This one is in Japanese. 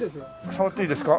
触っていいですか？